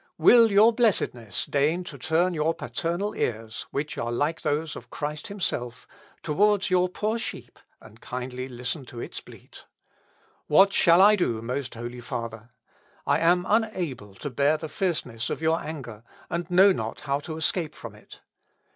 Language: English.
will your Blessedness deign to turn your paternal ears, which are like those of Christ himself, towards your poor sheep and kindly listen to its bleat. What shall I do, Most Holy Father! I am unable to bear the fierceness of your anger, and know not how to escape from it.